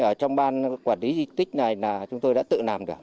ở trong ban quản lý di tích này là chúng tôi đã tự làm được